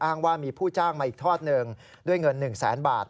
ว่ามีผู้จ้างมาอีกทอดหนึ่งด้วยเงิน๑แสนบาท